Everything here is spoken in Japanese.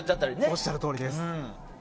おっしゃるとおりです。